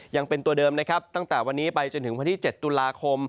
ยังเป็นตัวเดิมนะครับตั้งแต่วันนี้ไปจนถึงวันที่๗ตุลาคม